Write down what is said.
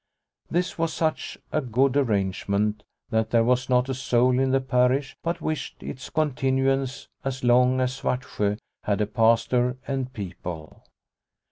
This was such a good arrange ment that there was not a soul in the parish but wished its continuance as long as Svartsjo had a pastor and people.